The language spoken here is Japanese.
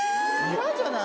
嫌じゃない？